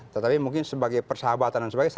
tetapi mungkin sebagai persahabatan dan sebagainya